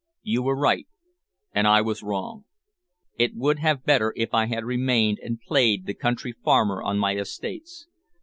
You were right, and I was wrong. It would have been better if I had remained and played the country farmer on my estates.